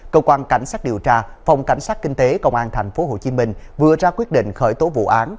cơ quan cảnh sát điều tra phòng cảnh sát kinh tế công an tp hcm vừa ra quyết định khởi tố vụ án